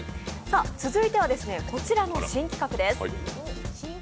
続いてはこちらの新企画です。